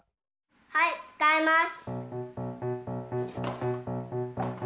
はいつかいます！